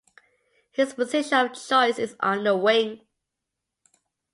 His position of choice is on the wing.